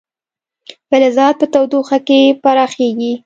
فلزات په تودوخه کې پراخېږي.